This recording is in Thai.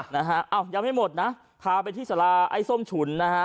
นะฮะอ้าวยังไม่หมดนะพาไปที่สาราไอ้ส้มฉุนนะฮะ